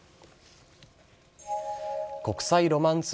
国際ロマンス